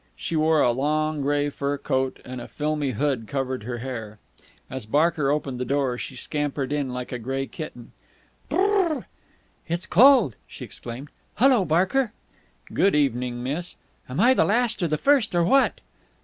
She wore a long grey fur coat, and a filmy hood covered her hair. As Barker opened the door, she scampered in like a grey kitten. "Brrh! It's cold!" she exclaimed. "Hullo, Barker!" "Good evening, miss." "Am I the last or the first or what?"